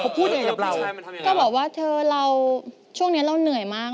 เขาพูดเองกับเราก็บอกว่าเธอเราช่วงนี้เราเหนื่อยมาก